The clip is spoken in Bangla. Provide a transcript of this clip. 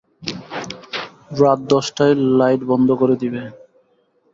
রাত দশটায় লাইট বন্ধ করে দিবে।